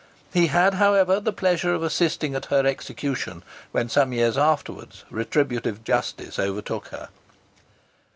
He had, however, the pleasure of assisting at her execution, when some years afterwards retributive justice overtook her.